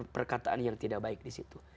perkataan yang tidak baik disitu